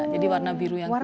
jadi warna biru yang kuat